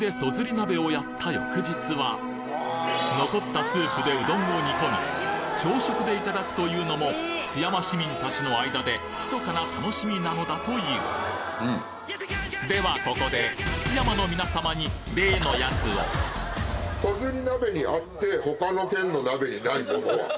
鍋をやった翌日は残ったスープでうどんを煮込み朝食で頂くというのも津山市民達の間で密かな楽しみなのだというではここで津山の皆様に例のやつを団結力？